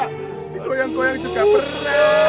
koyang koyang juga berat